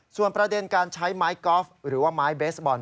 ส่วนประเด็นการใช้ไม้กอล์ฟหรือว่าไม้เบสบอล